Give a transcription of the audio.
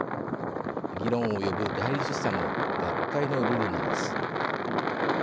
議論を呼ぶ代理出産も学会のルールなのです。